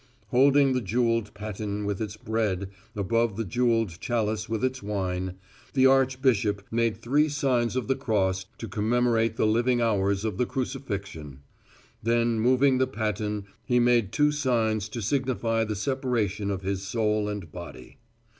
Holding the jewelled paten with its bread, above the jewelled chalice with its wine, the archbishop made three signs of the cross to commemorate the living hours of the crucifixion; then moving the paten he made two signs to signify the separation of His soul and body.